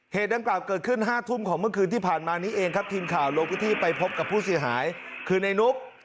ดังกล่าวเกิดขึ้น๕ทุ่มของเมื่อคืนที่ผ่านมานี้เองครับทีมข่าวลงพื้นที่ไปพบกับผู้เสียหายคือในนุก